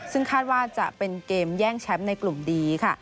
ซึ่งคาดว่าจะเป็นเกมแย่งแชมป์ในกลุ่มดีค่ะ